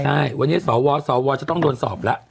ใช่วันนี้สวสวจะต้องโดนสอบแล้ว